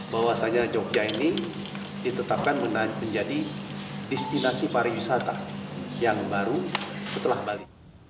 bahwasannya yogyakarta ini ditetapkan menjadi destinasi para wisata yang baru setelah bali